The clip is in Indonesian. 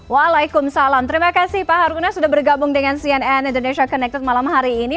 waalaikumsalam terima kasih pak haruna sudah bergabung dengan cnn indonesia connected malam hari ini